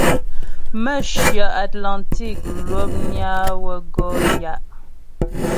Mə̌hyə Atlantik l̀opnyə á wə́ gɔ ya'.